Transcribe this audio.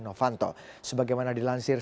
novanto sebagaimana dilansir